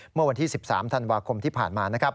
เมื่อวันที่๑๓ธันวาคมที่ผ่านมา